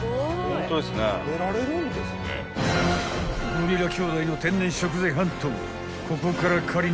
［ゴリラ兄弟の天然食材ハント］